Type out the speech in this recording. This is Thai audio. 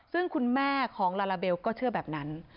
ซึ่งคุณแม่ของลาลาเบลก็เชื่อแบบนั้น